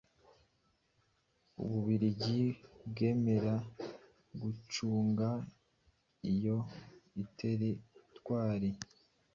Ububiligi bwemera gucunga iyo teritwari,